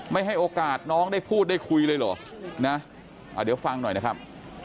ไม่ให้โอกาสน้องได้พูดได้คุยเลยเหรอนะเดี๋ยวฟังหน่อยนะครับ